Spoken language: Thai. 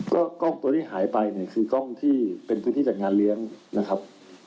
ก็กล้องตัวที่หายไปเนี่ยคือกล้องที่เป็นพื้นที่จัดงานเลี้ยงนะครับ